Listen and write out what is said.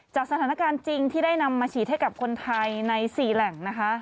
จากสถานการณ์จริงที่ได้นำมาฉีดให้กับคนไทยใน๔แหล่งนะคะ